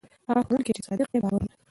هغه ښوونکی چې صادق دی باور لري.